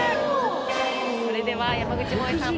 それでは山口もえさん